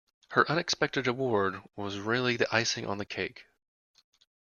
Her unexpected award was really the icing on the cake